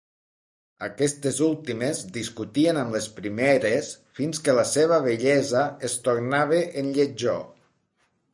Aquestes últimes discutien amb les primeres fins que la seva bellesa es tornava en lletjor.